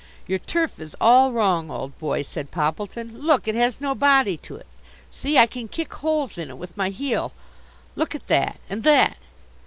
"Your turf is all wrong, old boy," said Poppleton. "Look! it has no body to it. See, I can kick holes in it with my heel. Look at that, and that!